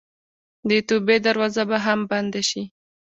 د توبې دروازه به هم بنده شي.